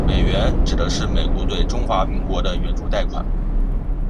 美援指的是美国对中华民国的援助贷款。